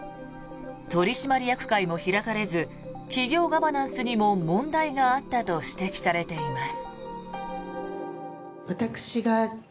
取締役会も開かれず企業ガバナンスにも問題があったと指摘されています。